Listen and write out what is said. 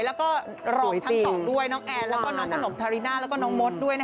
แล้วก็รองทั้งสองด้วยน้องแอนแล้วก็น้องขนมทาริน่าแล้วก็น้องมดด้วย